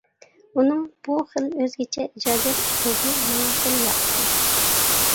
ئۇنىڭ بۇ خىل ئۆزگىچە ئىجادىيەت ئۇسلۇبى ماڭا خېلى ياقتى.